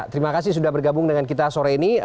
terima kasih sudah bergabung dengan kita sore ini